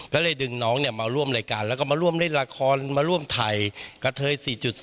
ก็เลยดึงน้องมาร่วมรายการแล้วก็มาร่วมเล่นละครมาร่วมถ่ายกระเทย๔๐